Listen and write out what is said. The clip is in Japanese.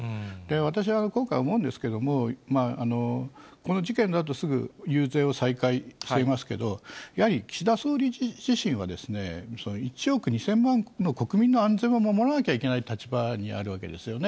私は今回思うんですけど、この事件のあとすぐ遊説を再開していますけど、やはり岸田総理自身は、１億２０００万の国民の安全を守らなきゃいけない立場にあるわけですよね。